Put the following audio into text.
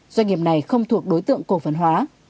doanh nghiệp này không thuộc đối tượng cổ phần hóa